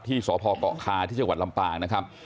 ที่สพเกาะคาที่จังหวัดลำปางนะครับ